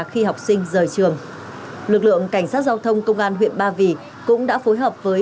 khi học sinh rời trường lực lượng cảnh sát giao thông công an huyện ba vì cũng đã phối hợp với